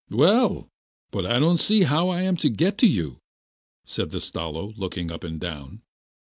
'Well, but I don't see how I am to get to you1' said the Stalo, looking up and down.